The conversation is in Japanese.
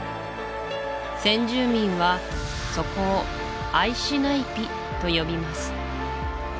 先住民はそこを「アイシナイピ」と呼びます